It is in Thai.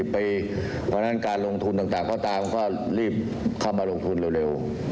เพราะฉะนั้นการลงทุนต่างก็ตามก็รีบเข้ามาลงทุนเร็ว